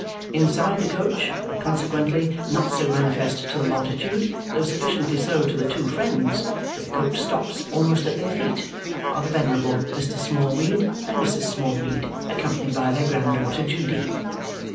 Inside the coach, and consequently not so manifest to the multitude, though sufficiently so to the two friends, for the coach stops almost at their feet, are the venerable Mr. Smallweed and Mrs. Smallweed, accompanied by their granddaughter Judy.